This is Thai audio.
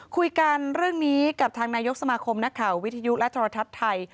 คุยกันเรื่องนี้กับทางนายกสมาคมนักข่าววิทยุและโทรทัศน์ไทย